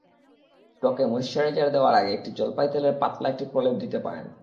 ত্বকে ময়েশ্চারাইজার দেওয়ার আগে জলপাই তেলের পাতলা একটি প্রলেপ দিতে পারেন।